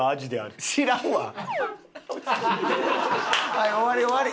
はい終わり終わり。